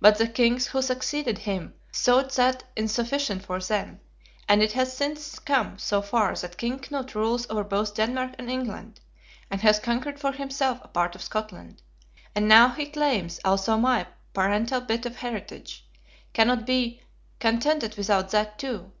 But the kings who succeeded him thought that insufficient for them; and it has since come so far that King Knut rules over both Denmark and England, and has conquered for himself a part of Scotland. And now he claims also my paternal bit of heritage; cannot be contented without that too.